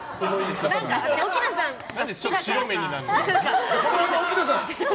何で、ちょっと白目になるの。